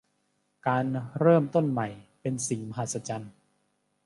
การเริ่มต้นใหม่เป็นสิ่งมหัศจรรย์